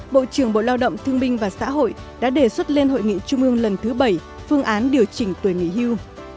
bộ trưởng bộ lao động thương binh và xã hội đã đề xuất lên hội nghị trung ương lần thứ bảy phương án điều chỉnh tuổi nghỉ hưu